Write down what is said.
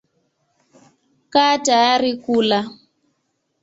Kaa tayari kula.